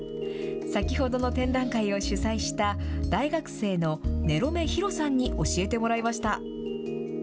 先ほどの展覧会を主催した大学生の根路銘啓さんに教えてもらいました。